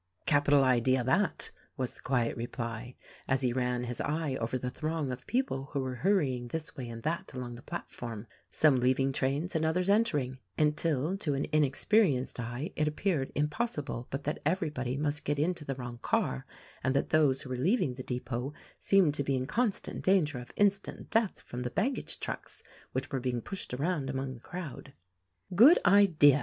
"Capital idea, that," was the quiet reply, as he ran his eye over the throng of people who were hurrying this way and that along the platform — some leaving trains and others entering, until to an inexperienced eye it appeared impossible but that everybody must get into the wrong car, and that those who were leaving the depot seemed to be in constant danger of instant death from the baggage trucks which were being pushed around among the crowd. 82 THE RECORDING ANGEL "Good idea!"